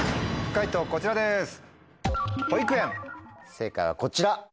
正解はこちら。